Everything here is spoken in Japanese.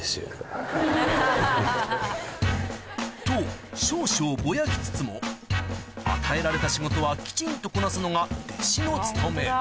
と少々ぼやきつつも与えられた仕事はきちんとこなすのが弟子の務め